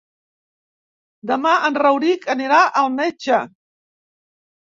Demà en Rauric anirà al metge.